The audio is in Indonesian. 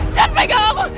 sean pegang aku